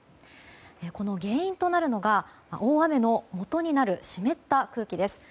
この原因となるのが大雨のもとになる湿った空気です。